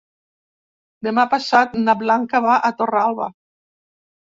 Demà passat na Blanca va a Torralba.